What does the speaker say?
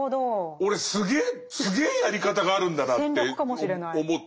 俺すげえやり方があるんだなって思って。